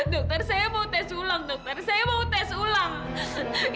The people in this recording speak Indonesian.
dokter saya mau tes ulang dokter saya mau tes ulang